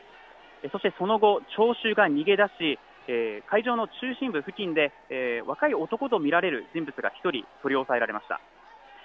そしてその後、聴衆が逃げ出し会場の中心部付近で若い男と見られる人物が１人、取り押さえられました。